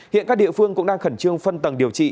hiện các địa phương cũng đang khẩn trương phân tầng điều trị